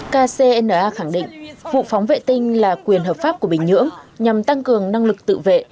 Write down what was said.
kcna khẳng định vụ phóng vệ tinh là quyền hợp pháp của bình nhưỡng nhằm tăng cường năng lực tự vệ